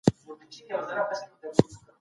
د زړه د سلامتیا لپاره د زعفرانو سپارښتنه کېږي.